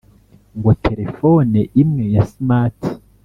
ngo telefone imwe ya smart